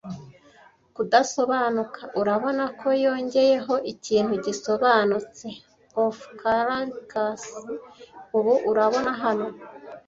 kudasobanuka, urabona ko yongeyeho ikintu gisobanutse. 'Offe Caraccas,' ubu; urabona, hano